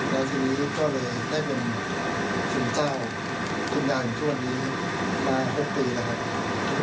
แล้วทีนี้ก็เลยได้เป็นคุณเจ้าคุณด่านช่วงนี้มา๖ปีแล้วครับ